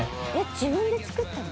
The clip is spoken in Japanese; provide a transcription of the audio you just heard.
「自分で作ったの？」